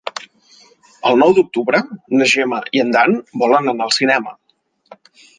El nou d'octubre na Gemma i en Dan volen anar al cinema.